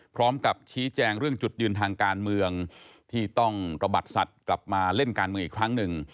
พร้อมกับชี้แจงเรื่องจุดยืนทางการเมืองที่ต้องระบัดสัตว์กลับมาเล่นการเมืองอีกครั้งหนึ่ง